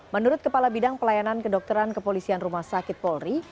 menurut kepala bidang pelayanan kedokteran kepolisian rumah sakit polri